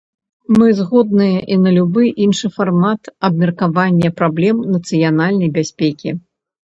Мы згодныя і на любы іншы фармат абмеркавання праблем нацыянальнай бяспекі.